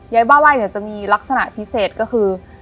บ้าไหว้เนี่ยจะมีลักษณะพิเศษก็คือ